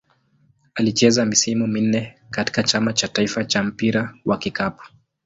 Alicheza misimu minne katika Chama cha taifa cha mpira wa kikapu.